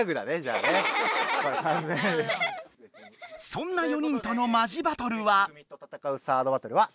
そんな４人とのマジバトルは？